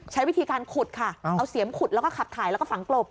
ใช้วิธีการขุดค่ะเอาเสียมขุดแล้วก็ขับถ่ายแล้วก็ฝังกลบ